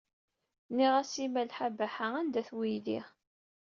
Nniɣ-as i Malḥa Baḥa anda-t weydi.